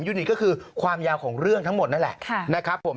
นี้ก็คือความยาวของเรื่องทั้งหมดนั่นแหละนะครับผม